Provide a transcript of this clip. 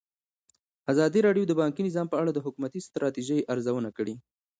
ازادي راډیو د بانکي نظام په اړه د حکومتي ستراتیژۍ ارزونه کړې.